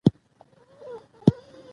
شفافه تګلاره د باور دوام تضمینوي.